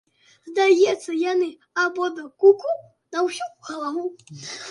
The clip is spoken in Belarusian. Здаецца, яны абодва ку-ку на ўсю галаву.